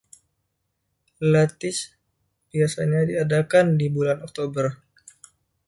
“Lattice” biasanya diadakan di bulan Oktober.